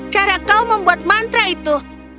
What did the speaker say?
cara kau membuat mantra itu